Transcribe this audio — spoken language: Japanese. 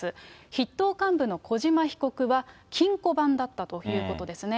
筆頭幹部の小島被告は金庫番だったということですね。